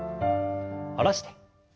下ろして。